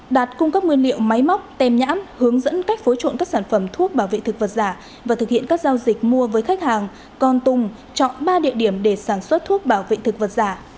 đạt cung cấp nguyên liệu máy móc tem nhãn hướng dẫn cách phối trộn các sản phẩm thuốc bảo vệ thực vật giả và thực hiện các giao dịch mua với khách hàng còn tùng chọn ba địa điểm để sản xuất thuốc bảo vệ thực vật giả